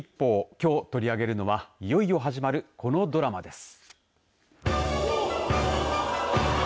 きょう取り上げるのはいよいよ始まるこのドラマです。